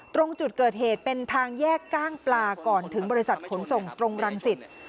ตรงจุดเกิดเหตุเป็นทางแยกกล้างปลาก่อนถึงบริษัทขนส่งตรงรังสิต